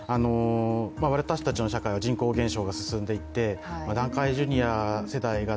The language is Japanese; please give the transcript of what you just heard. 私たちの社会は人口減少が進んでいって団塊ジュニア世代が